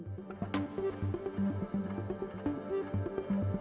terminnya juga tidak